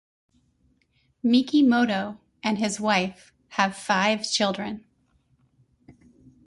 Mikimoto and his wife have five children.